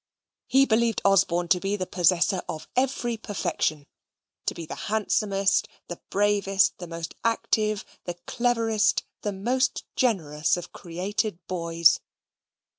He believed Osborne to be the possessor of every perfection, to be the handsomest, the bravest, the most active, the cleverest, the most generous of created boys.